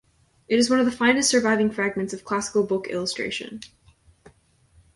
It is one of the finest surviving fragments of classical book illustration.